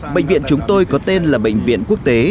bệnh viện chúng tôi có tên là bệnh viện quốc tế